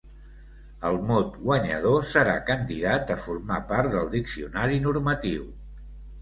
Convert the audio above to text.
El mot guanyador serà candidat a formar part del diccionari normatiu.